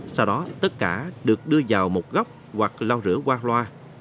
sau đó tất cả được đưa vào một góc hoặc lau rửa qua loa